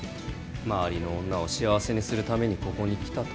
周りの女を幸せにするためにここに来たと。